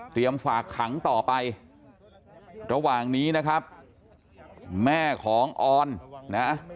ฝากขังต่อไประหว่างนี้นะครับแม่ของออนนะ